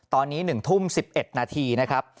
ตอนนี้๑ทุ่ม๑๑นาทีนะครับ